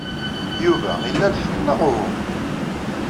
Yuba ila lḥeqq, neɣ uhu?